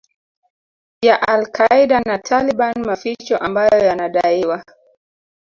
ya Al Qaeda na Taliban Maficho ambayo yanadaiwa